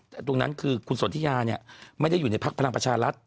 แต่ตรงนั้นคือคุณสนทิยาเนี่ยไม่ได้อยู่ในภักดิ์พลังประชารัฐ